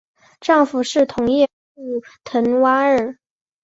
丈夫是同业后藤圭二。